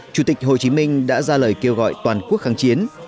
chủ tịch hồ chí minh đã ra lời kêu gọi toàn quốc kháng chiến